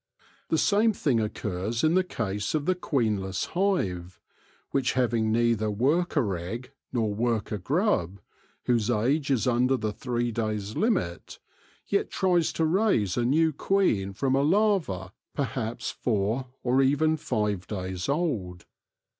The same thing occurs in the case of the queenless hive, which, having neither worker egg nor worker grub, whose age is under the three days' limit, yet tries to raise a new queen from a larva perhaps four or even five days old.